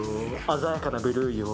鮮やかなブルーよ。